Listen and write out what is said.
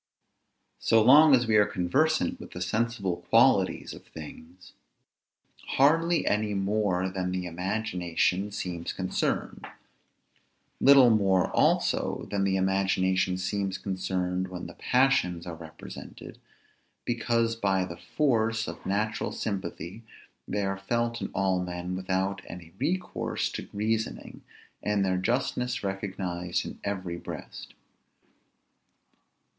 So long as we are conversant with the sensible qualities of things, hardly any more than the imagination seems concerned; little more also than the imagination seems concerned when the passions are represented, because by the force of natural sympathy they are felt in all men without any recourse to reasoning, and their justness recognized in every breast.